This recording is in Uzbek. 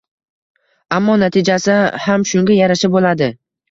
ammo natijasi ham shunga yarasha bo‘ladi».